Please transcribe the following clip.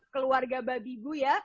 keluarga babi bu ya